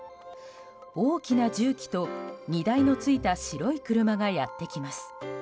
大きな重機と荷台の付いた白い車がやってきます。